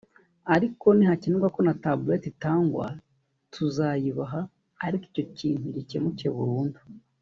Ariko nihakenerwa ko na tablet itangwa tuzayibaha ariko icyo kintu gikemuke burundu